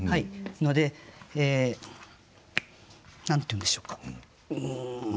ので何と言うんでしょうか。